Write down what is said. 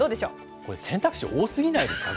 これ、選択肢多すぎないですか？